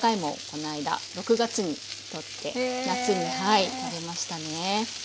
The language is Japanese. この間６月にとって夏に食べましたね。